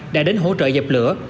đã đến hỗ trợ dập lửa